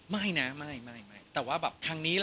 ไม่นะไม่ไม่ไม่